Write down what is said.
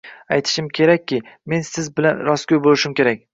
Aytishim kerakki, men siz bilan rostgoʻy boʻlishim kerak